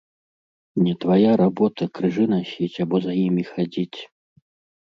Не твая работа крыжы насіць або за імі хадзіць.